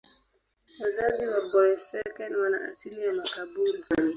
Wazazi wa Boeseken wana asili ya Makaburu.